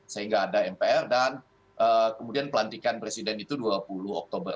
sehingga ada mpr dan kemudian pelantikan presiden itu dua puluh oktober